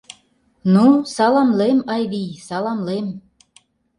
Ну, саламлем, Айвий, саламлем.